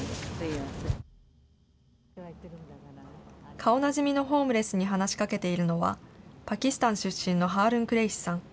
顔なじみのホームレスに話しかけているのは、パキスタン出身のハールーン・クレイシさん。